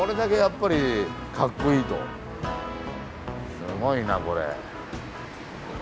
すごいなこれ。